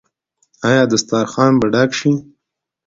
آیا دسترخان به ډک شي؟